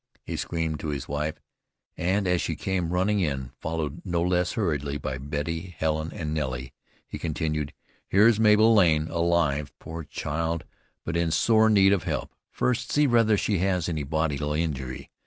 he screamed to his wife, and as she came running in, followed no less hurriedly by Betty, Helen and Nellie, he continued, "Here's Mabel Lane, alive, poor child; but in sore need of help. First see whether she has any bodily injury.